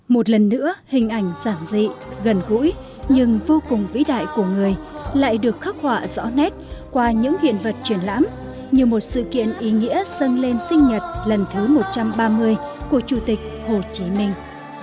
một lần nữa hình ảnh giản dị gần gũi nhưng vô cùng vĩ đại của người lại được khắc họa rõ nét qua những hiện vật triển lãm như một sự kiện ý nghĩa sân lên sinh nhật lần thứ một trăm ba mươi của chủ tịch hồ chí minh